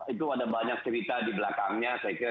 itu ada banyak cerita di belakangnya saya kira